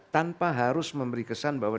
tanpa harus memberi kesan bahwa